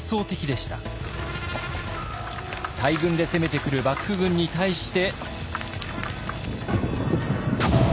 大軍で攻めてくる幕府軍に対して。